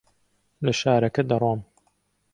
لە شارەکە دەڕۆم.